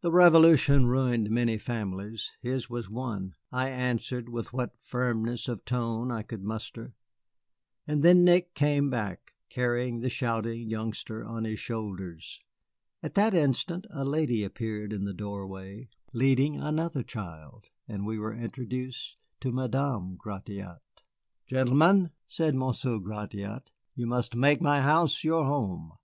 "The Revolution ruined many families his was one," I answered, with what firmness of tone I could muster. And then Nick came back, carrying the shouting youngster on his shoulders. At that instant a lady appeared in the doorway, leading another child, and we were introduced to Madame Gratiot. "Gentlemen," said Monsieur Gratiot, "you must make my house your home.